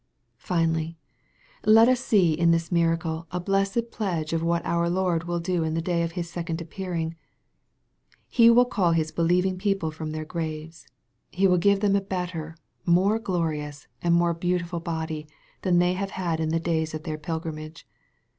Finally, et us see in this miracle a blessed pledge of what our Lord will do in the day of His second appear ing. He will call His believing people from their graves. He will give them a better, more glorious, and more beautiful body, than they had in the days of their pilgrim age.